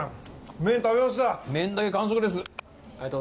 麺だけ完食です。